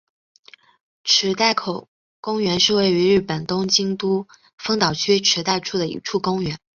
池袋西口公园是位于日本东京都丰岛区池袋的一处公园。